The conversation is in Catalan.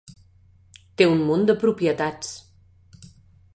Té un munt de propietats.